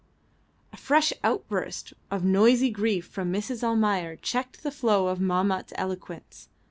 A fresh outburst of noisy grief from Mrs. Almayer checked the flow of Mahmat's eloquence.